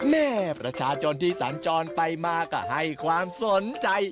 แม่ประชาชนที่สัญจรไปมาก็ให้ความสนใจ